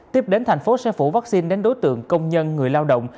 tiếp đến thành phố sẽ phủ vaccine đến đối tượng công nhân người lao động